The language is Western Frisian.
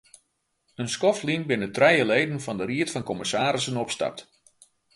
In skoft lyn binne trije leden fan de ried fan kommissarissen opstapt.